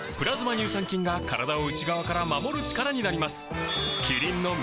乳酸菌が体を内側から守る力になります